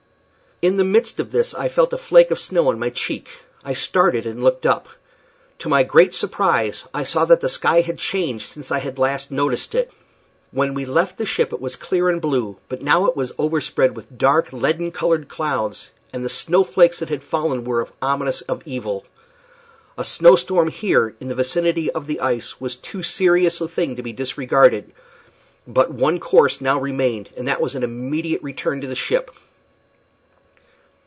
In the midst of this I felt a flake of snow on my cheek. I started and looked up. To my great surprise I saw that the sky had changed since I had last noticed it. When we left the ship it was clear and blue, but now it was overspread with dark, leaden colored clouds, and the snow flakes that had fallen were ominous of evil. A snow storm here, in the vicinity of the ice, was too serious a thing to be disregarded. But one course now remained, and that was an immediate return to the ship.